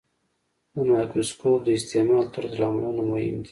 د مایکروسکوپ د استعمال طرزالعملونه مهم دي.